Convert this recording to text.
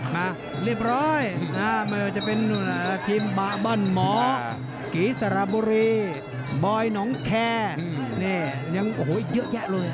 มาเรียบร้อยอ่ามันจะเป็นบะบั้นหมอกีซราบุรีบอยน้องแคร์นี่ยังโหยเยอะแยะโหย